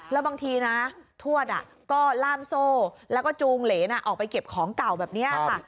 แล้วบางทีนะทวดก็ล่ามโซ่แล้วก็จูงเหรนออกไปเก็บของเก่าแบบนี้ค่ะ